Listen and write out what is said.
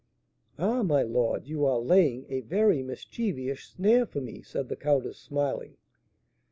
"Ah, my lord, you are laying a very mischievous snare for me," said the countess, smiling.